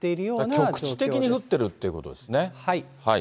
局地的に降ってるっていうことですね。